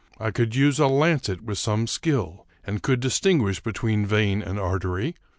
I could use a lancet with some skill, and could distinguish between vein and artery.